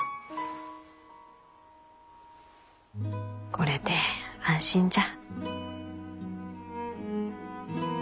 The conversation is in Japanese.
これで安心じゃ。